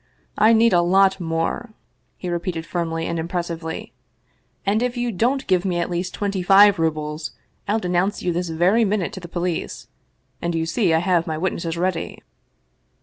" I need a lot more/' he repeated firmly and impressively ;" and if you don't give me at least twenty five rubles I'll de nounce you this very minute to the police and you see I have my witnesses ready."